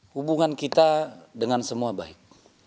hubungan kita dengan semua baik